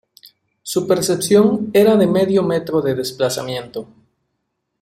Su percepción era de medio metro de desplazamiento.